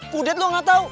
kudet lo gak tau